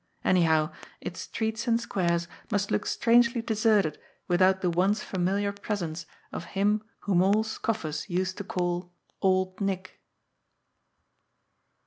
Anyhow, its streets and squares must look strangely deserted without the once familiar presence of him whom all scoffers used to call '^ Old Nick."